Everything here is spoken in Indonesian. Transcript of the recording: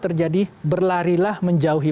terjadi berlarilah menjauhi